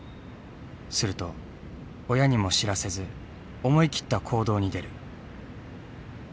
すると親にも知らせず思い切った行動に出る。